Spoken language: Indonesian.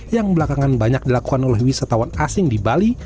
yang belakangan banyak dilakukan oleh wisatawan asing di bali